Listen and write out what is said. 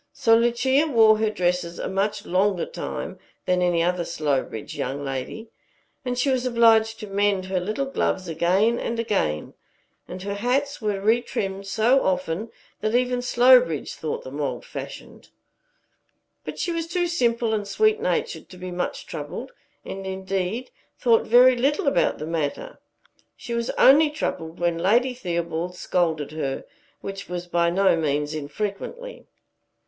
So Lucia wore her dresses a much longer time than any other Slowbridge young lady: she was obliged to mend her little gloves again and again; and her hats were retrimmed so often that even Slowbridge thought them old fashioned. But she was too simple and sweet natured to be much troubled, and indeed thought very little about the matter. She was only troubled when Lady Theobald scolded her, which was by no means infrequently.